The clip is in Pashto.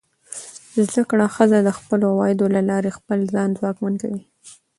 زده کړه ښځه د خپلو عوایدو له لارې خپل ځان ځواکمن کوي.